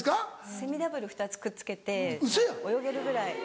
セミダブル２つくっつけてもう泳げるぐらい。